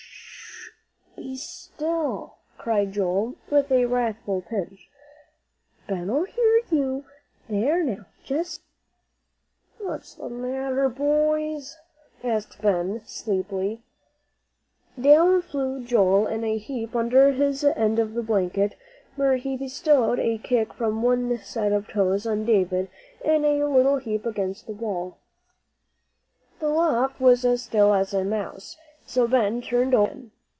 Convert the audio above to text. "Sh , be still!" cried Joel, with a wrathful pinch. "Ben'll hear you, there now, just see!" "What's the matter, boys?" asked Ben, sleepily. Down flew Joel in a heap under his end of the blanket, where he bestowed a kick from one set of toes on David in a little heap against the wall. The loft was as still as a mouse, so Ben turned over again.